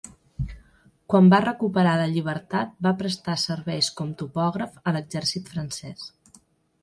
Quan va recuperar la llibertat va prestar serveis com topògraf a l'exèrcit francès.